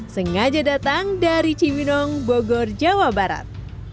sengaja datang dari cibinong bogor jawa barat